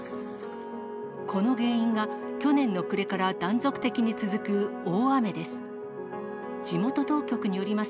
この原因が、去年の暮れから断続的に続く大雨です。